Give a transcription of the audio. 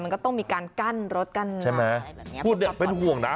มันก็ต้องมีการกั้นรถกั้นใช่ไหมพูดเนี้ยเป็นห่วงนะ